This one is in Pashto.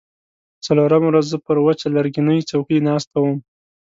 څلورمه ورځ زه پر وچه لرګینۍ څوکۍ ناسته وم.